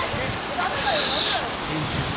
ダメだよダメだよ。